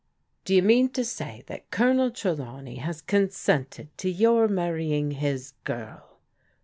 " Do you mean to say that Colonel Trelawney has con sented to your marrying his girl